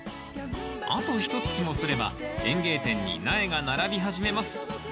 あとひとつきもすれば園芸店に苗が並び始めます。